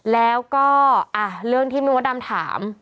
แล้วก็เรื่องที่มิวดำถาม